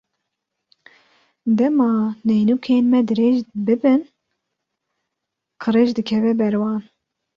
Dema neynûkên me dirêj bibin, qirêj dikeve ber wan.